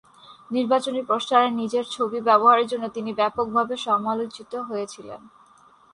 নির্বাচনী পোস্টারে নিজের ছবি ব্যবহারের জন্য তিনি ব্যাপকভাবে সমালোচিত হয়েছিলেন।